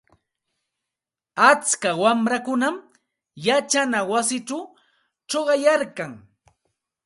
Atska wamrakunam yachana wasichaw chuqayarkan.